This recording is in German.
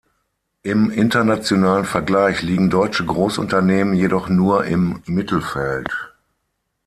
Im internationalen Vergleich, liegen deutsche Großunternehmen jedoch nur im Mittelfeld.